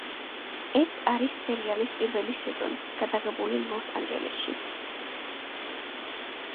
ეს არის სერიალის პირველი სეზონი, გადაღებული ლოს-ანჯელესში.